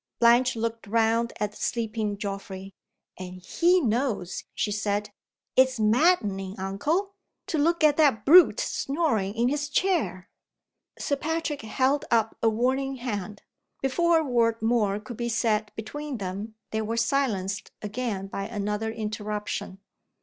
Blanche looked round at the sleeping Geoffrey. "And he knows!" she said. "It's maddening, uncle, to look at the brute snoring in his chair!" Sir Patrick held up a warning hand. Before a word more could be said between them they were silenced again by another interruption.